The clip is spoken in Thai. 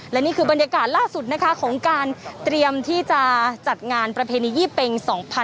และนี่คือบรรยากาศล่าสุดนะคะของการเตรียมที่จะจัดงานประเพณียี่เป็ง๒๕๖๒